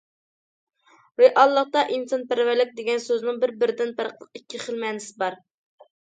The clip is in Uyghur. رېئاللىقتا ئىنسانپەرۋەرلىك دېگەن سۆزنىڭ بىر- بىرىدىن پەرقلىق ئىككى خىل مەنىسى بار.